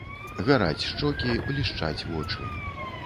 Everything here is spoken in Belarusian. Гараць шчокі, блішчаць вочы.